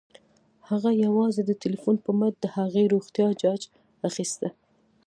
هغه یوازې د ټيليفون په مټ د هغې روغتيا جاج اخيسته